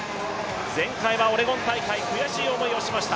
前回はオレゴン大会、悔しい思いをしました。